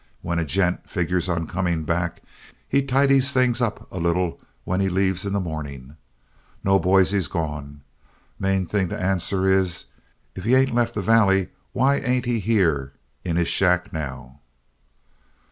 When a gent figures on coming back, he tidies things up a little when he leaves in the morning. No, boys, he's gone. Main thing to answer is: If he ain't left the valley why ain't he here in his shack now?"